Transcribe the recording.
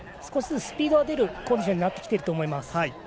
少しずつスピードは出るコンディションになってきていると思います。